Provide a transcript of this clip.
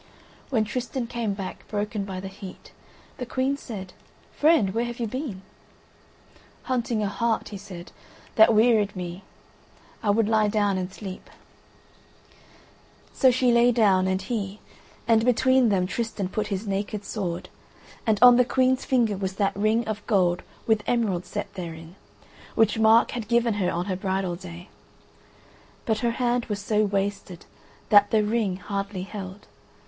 When Tristan came back, broken by the heat, the Queen said "Friend, where have you been?" "Hunting a hart," he said, "that wearied me. I would lie down and sleep." So she lay down, and he, and between them Tristan put his naked sword, and on the Queen's finger was that ring of gold with emeralds set therein, which Mark had given her on her bridal day; but her hand was so wasted that the ring hardly held.